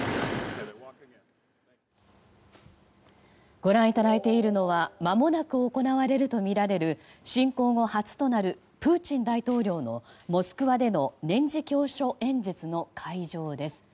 ご覧いただいているのはまもなく行われるとみられる侵攻後初となるプーチン大統領のモスクワでの年次教書演説の会場です。